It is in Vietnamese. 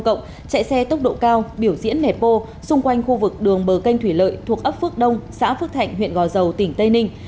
chạy xe tốc độ cao biểu diễn nẹp bô xung quanh khu vực đường bờ canh thủy lợi thuộc ấp phước đông xã phước thạnh huyện gò dầu tỉnh tây ninh